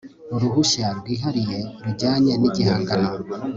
uruhushya rwihariye rujyanye n igihangano